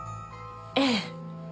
ええ。